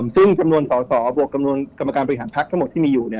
ซึ่งสำนวนสาวบวกกรรมการบริหารพลักษณ์ทั้งหมดที่มีอยู่